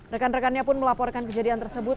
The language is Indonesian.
rekan rekannya pun melaporkan kejadian tersebut